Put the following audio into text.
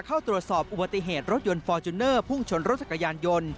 เข้าตรวจสอบอุบัติเหตุรถยนต์ฟอร์จูเนอร์พุ่งชนรถจักรยานยนต์